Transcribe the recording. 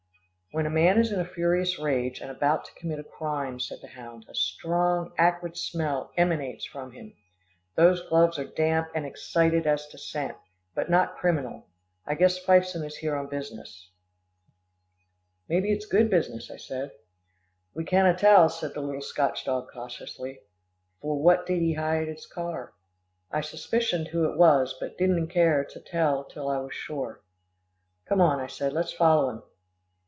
"When a man is in a furious rage, and about to commit a crime," said the hound, "a strong acrid smell emanates from him. Those gloves are damp and excited as to scent, but not criminal. I guess Fifeson is here on business." "Maybe it's good business," I said. "We canna tell," said the little Scotch dog cautiously. "For what did he hide his car? I suspicioned who it was, but didna care to tell till I was sure." "Come on," I said, "let's follow him."